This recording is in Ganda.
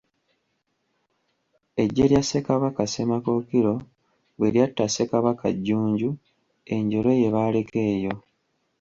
Eggye lya Ssekabaka Ssemakookiro bwe lyatta Ssekabaka Jjunju, enjole ye baaleka eyo.